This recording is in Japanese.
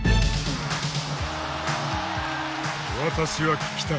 私は聴きたい！